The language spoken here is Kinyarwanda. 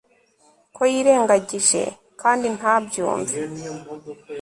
Ko yirengagije kandi ntabyumve